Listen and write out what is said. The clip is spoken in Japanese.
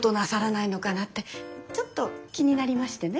ちょっと気になりましてね。